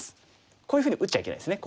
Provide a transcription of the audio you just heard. こういうふうに打っちゃいけないですね。